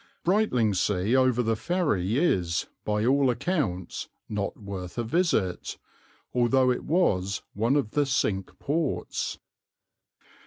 Brightlingsea over the ferry is, by all accounts, not worth a visit, although it was one of the Cinque Ports.